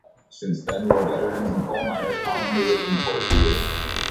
Since then, war veterans and coal miners commonly lived in Port Vue.